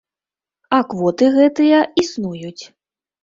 А квоты гэтыя існуюць.